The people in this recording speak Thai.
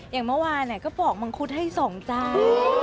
อย่างเมื่อวานเนี่ยก็ปอกมังคุดให้สองจาน